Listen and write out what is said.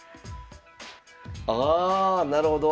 ああなるほど。